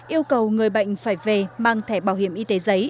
yêu cầu người bệnh phải về mang thẻ bảo hiểm y tế giấy